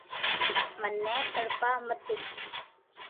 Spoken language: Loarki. مني تڙپاو متي ني